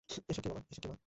এসব কি, মা?